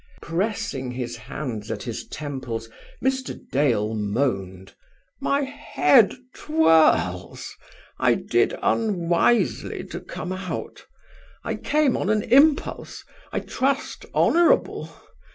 Pressing his hands at his temples, Mr. Dale moaned: "My head twirls; I did unwisely to come out. I came on an impulse; I trust, honourable.